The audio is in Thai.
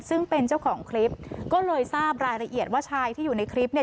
ซึ่งเป็นเจ้าของคลิปก็เลยทราบรายละเอียดว่าชายที่อยู่ในคลิปเนี่ย